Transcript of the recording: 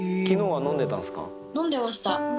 飲んでました。